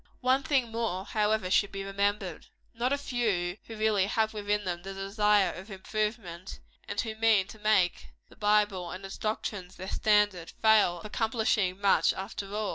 One thing more, however, should be remembered. Not a few who really have within them the desire of improvement, and who mean to make the Bible and its doctrines their standard, fail of accomplishing much after all.